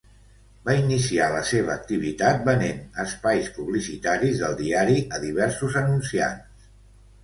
Va iniciar la seva activitat venent espais publicitaris del diari a diversos anunciants.